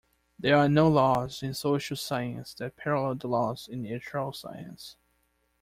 There are no laws in social science that parallel the laws in natural science.